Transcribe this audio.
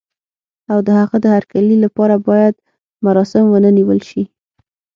او د هغه د هرکلي لپاره باید مراسم ونه نیول شي.